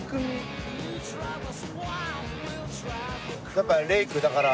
やっぱレイクだから。